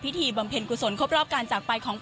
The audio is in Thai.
บำเพ็ญกุศลครบรอบการจากไปของ